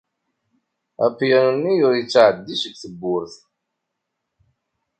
Apyanu-nni ur yettɛeddi seg tewwurt.